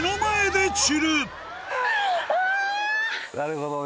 なるほどね。